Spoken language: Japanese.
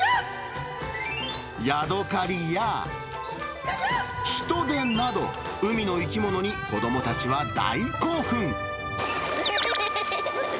ヤドカリや、ヒトデなど、海の生き物に、子どもたちは大興奮。